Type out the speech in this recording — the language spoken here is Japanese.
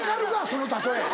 その例え！